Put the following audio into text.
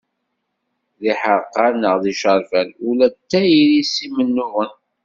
D iḥerqan neɣ d icerfan, ula d tayri-s d imennuɣen.